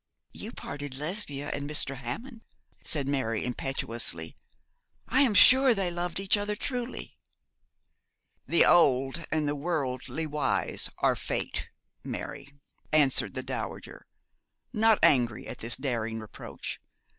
'You parted Lesbia and Mr. Hammond,' said Mary, impetuously. 'I am sure they loved each other truly.' 'The old and the worldly wise are Fate, Mary,' answered the dowager, not angry at this daring reproach.